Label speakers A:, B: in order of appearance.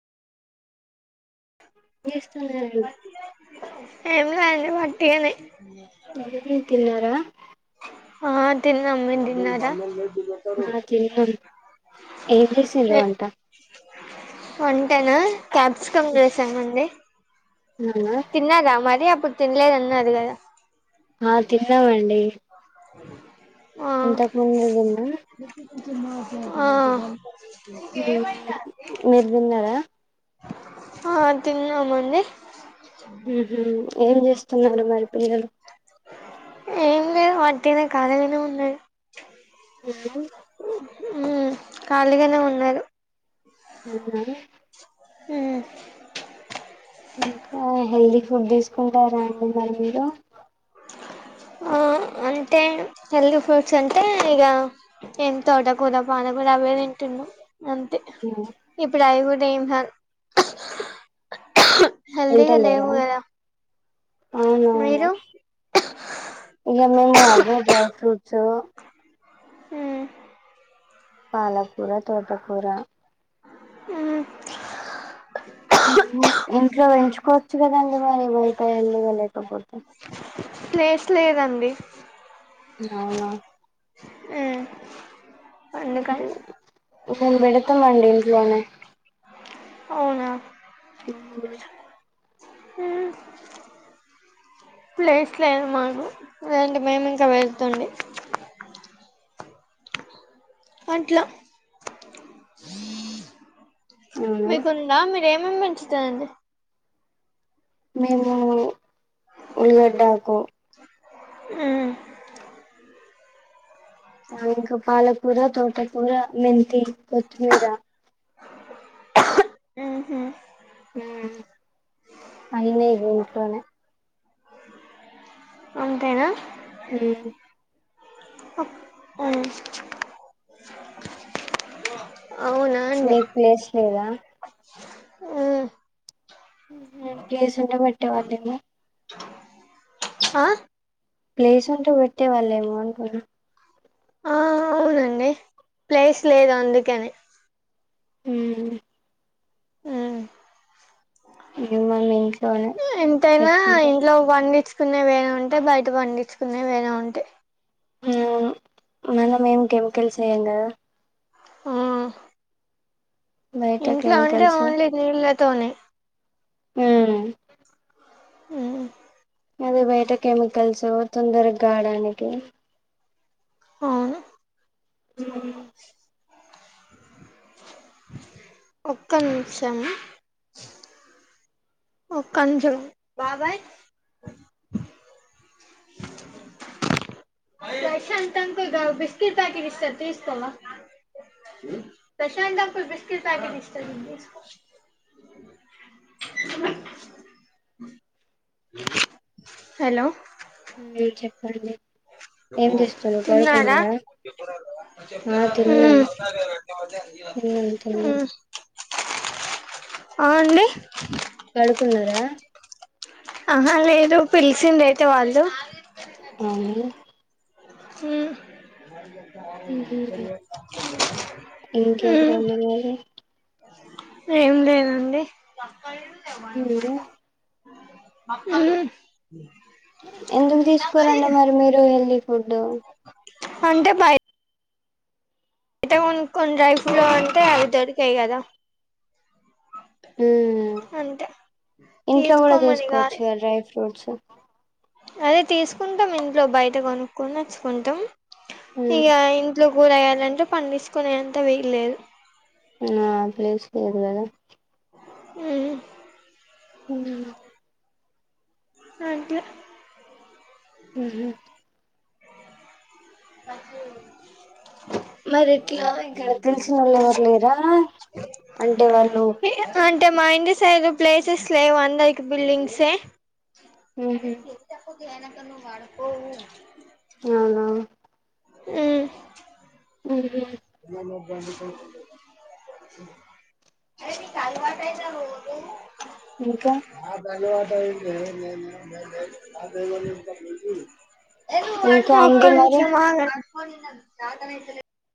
A: News సరే
B: ఏం కాదండి పట్టికనే
A: మీరు తిన్నారా
B: హా తిన్నాం మీరు తిన్నారా
A: ఆ తిన్నాం ఏం చేసిన్రు వంట
B: వన్ టనా క్యాప్సికం చేసామండి.
A: అవునా
B: తిన్నారా మరి అప్ ఇప్పుడు తిన్లేదు అన్నారు గదా
A: ఆ తిన్నామండి
B: ఆ
A: ఇంతకుముందు తిన్నా
B: ఆ
A: హ్మ్ మీరు తిన్నారా
B: ఆ తిన్నామండి
A: హ్మ్ హు ఏం చేస్ స్తున్నారు మరి పిల్లలు
B: ఏం లేదు వట్టినే ఖాళీగానే ఉన్నాయి
A: [unintelligible]
B: హ్మ్ ఖాళీగానే ఉన్నారు
A: అవునా
B: హ్మ్
A: ఇంకా హెల్దీ ఫుడ్ తీసుకుంటారా అండి మరి మీరు
B: ఆ అంటే హెల్తీ ఫుడ్స్ అంటే ఇగ ఏం తోటకూర పానకూర అవే తింటున్నాం అంతే ఇప్పుడు అవి గూ డా దేంహ హెల్తీగా లేవు
A: తింటలేరా
B: గదా
A: అవునవును ఇగ మేము అవే డ్రై ఫ్రూట్ చు
B: హ్మ్
A: పాలకూర తోటకూర
B: హ్మ్
A: నువ్వు ఇంట్లో పెంచుకో చ్చుగదండి మరి [unintelligible] లేకపోతే
B: ప్లేస్ లేదండి
A: నవునా
B: హ్మ్
A: హ్మ్ మేమ్ బెడతామం ఇంట్లోనే
B: అవునా
A: హ్మ్మ్
B: హ్మ్ ప్లేస్ లేదు మాకు లేదంటే మేము ఇంకా పెడుతుండే అట్లా
A: అవునా
B: మీకుందా మీరేమేమి పెడ్ స్తాయండి
A: మేము ఉలిగాడ్డ ఆకు
B: హ్
A: ఆ ఇంకా పాలకూర తోటకూర మెంతి కొత్తిమీర
B: మ్మ్ హ్మ్
A: ఉమ్ అయినయ్ కొనుక్కొని
B: అంతేనా
A: ఉమ్
B: మ్మ్ అవునా అండి
A: మీక్ ప్లేస్ లేదా
B: మ్మ్
A: ఉ హుమ్ ప్లేస్ ఉంటే పెట్టేవాళ్ళేమో
B: అ
A: ప్లేస్ ఉంటే పెట్టే వాళ్లేమో అంటున్న
B: ఆ అవునండి ప్లేస్ లేదు అందుకనే
A: ఉమ్
B: ఉమ్
A: ఇ మళ్ళీ ఇం
B: ఎంతైనా ఇంట్లో పండించ్ కునే వేరే ఉంటాయ్ బయట పండించుకునే వేరే ఉంటాయ్
A: ఉ అవును మనం ఏమ్ కెమికల్స్ ఏ యం గదా
B: ఆ
A: బయట
B: ఇంట్లో అంటే
A: కెమికల్స్
B: ఒన్లీ నీళ్ళతోనే
A: ఉమ్
B: ఉమ్
A: అదే బయట కెమికల్సు తొందరగాడానికి
B: అవును
A: హుమ్
B: ఒక్క నిమిషమ్ ఒక్క నిమిషం బాబాయ్ ప్రశాంత్ అంకుల్ గా బిస్కెట్ ప్యాకెట్ ఇస్తడు తీసుకోవా ప్రశాంత్ అంకుల్ బిస్కెట్ ప్యాకెట్ ఇస్తడు తీసుకో హలో
A: మీరు చెప్పండి ఏం చేస్తున్నారు
B: తిన్నర
A: పడుకున్నారా ఆ
B: ఉ
A: తిన్నాం తిన్నాం
B: ఉ
A: తిన్నాం
B: అ అండి
A: పడుకున్నారా
B: ఆహ లేదు పిలిసింది అయితే వాళ్ళు
A: అవును
B: ఉ మ్మ్
A: ఇంకేంటండి
B: ఏం లేదాండి
A: హు
B: హ్
A: ఎందుకు తీసుకోరండి మరి మీరు ఏళ్ళి ఫుడ్
B: అంటే బయ అయితే కొన్ని కొన్ని డ్రై ఫ్రూట్ అంటే అవి దొరికాయి కదా
A: ఉమ్
B: అంతే
A: ఇంట్లో కూడా
B: తీసుకోమని కాదు
A: చేసుకోవచ్చు డ్రై ఫ్రూట్స్
B: అదే తీసుకుంటాం ఇంట్లో బయట కొనుక్కకుని వచ్చుకుంటాం
A: మ్మ్
B: ఇగా ఇంట్లో గురయ్యాలంటే పంసుకునే అంత వేయల్లేదు
A: ఆ ప్లేస్ లేదు కదా
B: ఉమ్
A: ఉమ్
B: అంట
A: ఉ ఉమ్
B: అదు
A: మరి ఇట్లా ఇక్కడ తెలిసిన వాళ్ళు ఎవరు లేరా అంటే వాళ్ళు
B: అంటే మా ఇం సైదు ప్లేసెస్ లే అందకి బిల్డింగ్స్
A: ఉ హహ
B: వెనక నువ్వు వాడుకోవు
A: అవునా
B: ఉమ్
A: ఉ
B: డి అరే మీ కానీ వాటా
A: ఇంకా
B: రో ఆ పలి వా [unintelligible] దవాంత ఎ
A: ఇంకా
B: ఒక
A: అండి మరి
B: నిమిషం ఆగు పోను చేతన్ అయితే లేదు